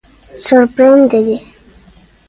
Sorpréndelle?